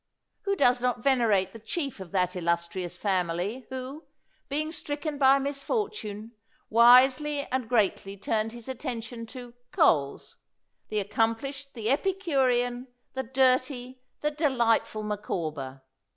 Who does not venerate the chief of that illustrious family who, being stricken by mis fortune, wisely and greatly turned his attention to "coals," the accomplished, the Epicurean, the dirty, the delightful Micawber?